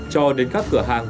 cho đến các cửa hàng